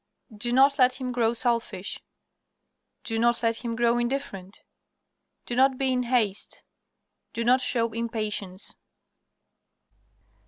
Do not let him grow selfish. Do not let him grow indifferent. Do not be in haste. Do not show impatience.